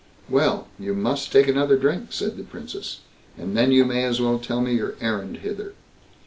"Well! you must take another drink", said the Princess, "and then you may as well tell me your errand hither."